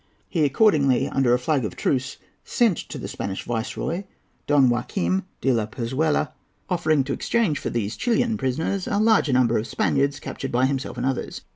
He accordingly, under a flag of truce, sent to the Spanish Viceroy, Don Joaquim de la Pezuela, offering to exchange for these Chilian prisoners a larger number of Spaniards captured by himself and others.